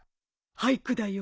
俳句だよ。